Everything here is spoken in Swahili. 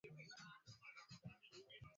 Usi kalamukiye mamba na auya vuka maji